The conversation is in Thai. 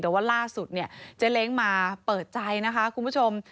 แต่ว่าล่าสุดเนี่ยเจ๊เล้งมาเปิดใจนะคะคุณผู้ชม